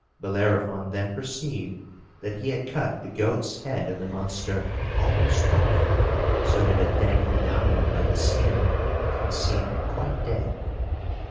Bellerophon then perceived that he had cut the goat's head of the monster almost off, so that it dangled downward by the skin, and seemed quite dead.